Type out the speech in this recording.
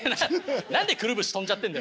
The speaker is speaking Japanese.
何でくるぶし飛んじゃってんだよ。